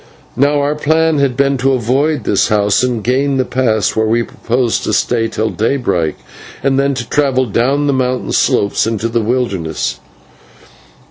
Now, our plan had been to avoid this house and gain the pass, where we proposed to stay till daybreak, and then to travel down the mountain slopes into the wilderness.